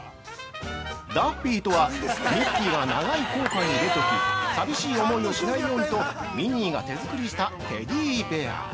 ◆ダッフィーとは、ミッキーが長い航海に出るとき、寂しい思いをしないようにとミニーが手作りしたテディベア！